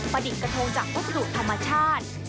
ประดิกกะทงจากศูนย์ธรรมชาติ